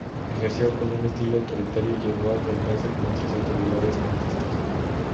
Ejerció con un estilo autoritario y llegó a enfrentarse con otras autoridades franquistas.